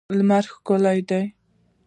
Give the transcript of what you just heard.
لمر ښکلی دی.